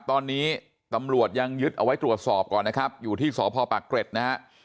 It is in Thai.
ตอนนี้ตำรวจยังยึดเอาไว้ตรวจสอบก่อนนะครับอยู่ที่สพปากเกร็ดนะฮะ